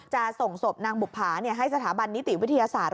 จะส่งศพนางบุภาให้สถาบันนิติวิทยาศาสตร์